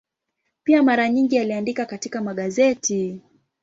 Pia mara nyingi aliandika katika magazeti.